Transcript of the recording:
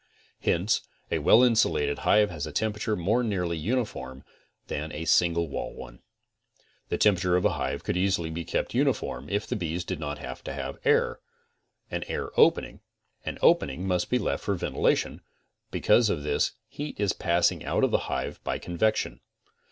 Hence a well insulated hive has a temperature more nearly uni form than a single wall one. The temperature of a hive could easily be kept uniform if the bees did not have to have air. An opening must be left for ven tilation, and because of this heat is passing out of the hive by con vection.